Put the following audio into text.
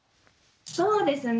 そうですね。